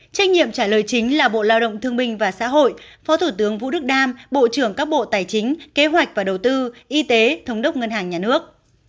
trách nhiệm trả lời chính là bộ lao động thương minh và xã hội phó thủ tướng vũ đức đam bộ trưởng các bộ tài chính kế hoạch và đầu tư y tế thống đốc ngân hàng nhà nước